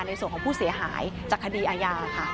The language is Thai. ในส่วนของผู้เสียหายจากคดีอาญาค่ะ